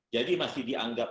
jadi masih dianggap